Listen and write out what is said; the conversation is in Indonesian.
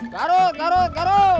garut garut garut